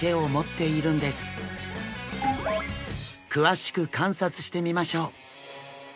詳しく観察してみましょう。